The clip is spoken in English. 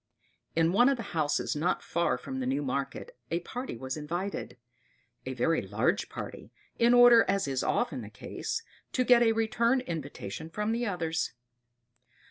In one of the houses not far from the new market a party was invited a very large party, in order, as is often the case, to get a return invitation from the others.